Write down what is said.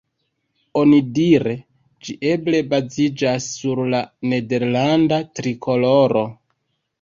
Onidire, ĝi eble baziĝas sur la nederlanda trikoloro.